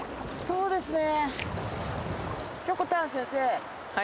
そうですね